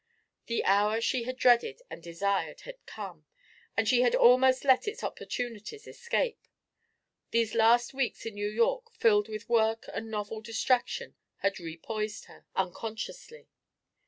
The hour she had dreaded and desired had come and she had almost let its opportunities escape! These last weeks in New York filled with work and novel distraction had repoised her, unconsciously.